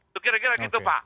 itu kira kira gitu pak